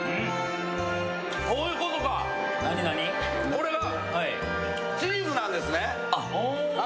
これがチーズなんですね！